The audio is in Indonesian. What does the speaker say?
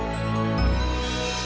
kamu jangan cemas ya